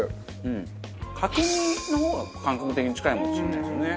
角煮の方が感覚的に近いのかもしれないですよね。